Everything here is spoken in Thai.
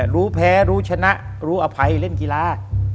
รู้แพ้รู้ชนะรู้อภัยเล่นกีฬา